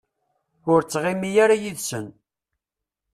Ur ttɣimi ara yid-sen.